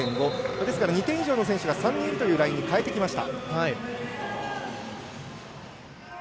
ですから２点以上の選手が３人いるというラインに変えてきました。